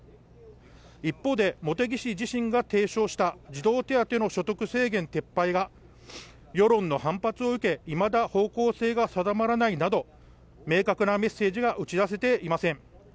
一方で、茂木氏自身が提唱した児童手当の所得制限撤廃が世論の反発を受けいまだ方向性が定まらないなど明確なメッセージが打ち出せていません。